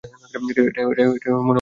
এটাই হলো মনোবল, জেসি!